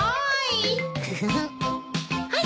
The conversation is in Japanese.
はい。